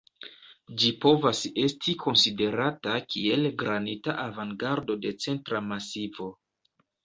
Ĝi povas esti konsiderata kiel granita avangardo de Centra Masivo.